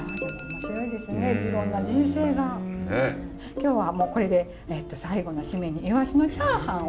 今日はこれで最後の〆にいわしのチャーハンを。